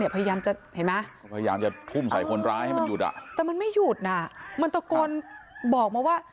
พยายามจะทุ่มใส่คนร้ายให้มันหยุดแต่มันไม่หยุดน่ะมันตะโกนบอกมาว่า